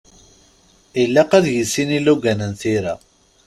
Ilaq ad yissin ilugan n tira.